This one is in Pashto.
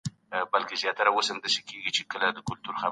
په انساني او بالخصوص اسلامي تاريخ کي نوري بيلګي هم سته